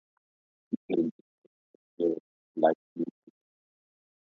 People in Dicastillo like music.